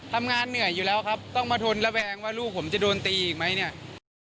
ทำงานเหนื่อยอยู่แล้วครับต้องมาทนระแวงว่าลูกผมจะโดนตีอีกไหมเนี่ย